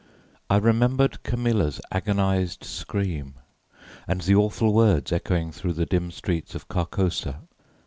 I remembered Camilla's agonized scream and the awful words echoing through the dim streets of Carcosa.